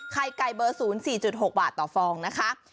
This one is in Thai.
ไข่ไก่เบอร์๐๔๖บาทต่อฟองนะคะ